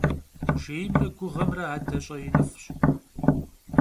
Jjêymre guğemre ade ş'einıf'ş.